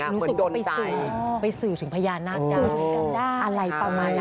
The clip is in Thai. ว่าไปสื่จึงพญานาคกาอะไรประมาณนั้น